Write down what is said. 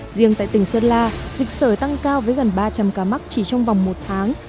riêng tại tỉnh sơn la dịch sở tăng cao với gần ba trăm linh ca mắc chỉ trong vòng một tháng